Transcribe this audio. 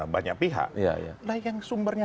banyak pihak baik yang sumbernya